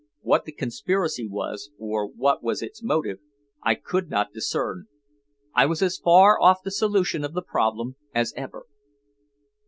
What the conspiracy was, or what was its motive, I could not discern. I was as far off the solution of the problem as ever.